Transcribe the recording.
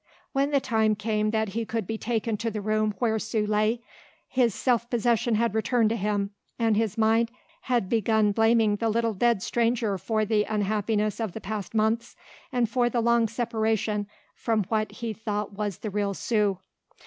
When the time came that he could be taken to the room where Sue lay, his self possession had returned to him and his mind had begun blaming the little dead stranger for the unhappiness of the past months and for the long separation from what he thought was the real Sue.